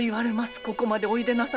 ここまでおいでなされて。